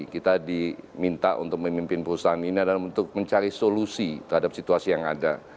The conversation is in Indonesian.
kita diminta untuk memimpin perusahaan ini adalah untuk mencari solusi terhadap situasi yang ada